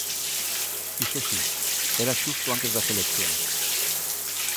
Iso si, era xusto antes das eleccións.